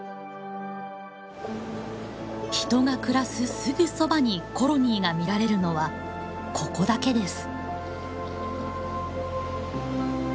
人が暮らすすぐそばにコロニーが見られるのはここだけです。